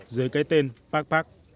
dưới cái tên pakpak